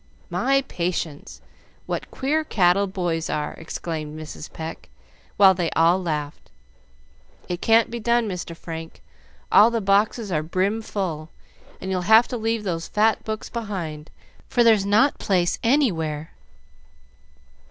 "My patience! What queer cattle boys are!" exclaimed Mrs. Pecq, while they all laughed. "It can't be done, Mr. Frank; all the boxes are brim full, and you'll have to leave those fat books behind, for there's no place anywhere."